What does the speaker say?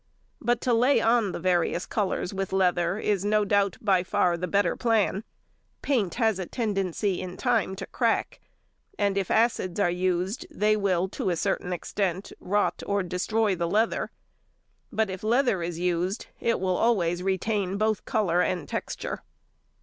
But to lay on the various colours with leather is, no doubt, by far the better plan. Paint has a tendency in time to crack, and, if acids are used, they will, to a certain |134| extent, rot or destroy the leather; but if leather is used it will always retain both colour and texture.